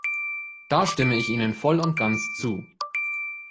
Da stimme ich Ihnen voll und ganz zu.